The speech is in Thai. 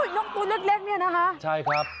น้องตู้หนึ่งเล็กเนี่ยนะครับ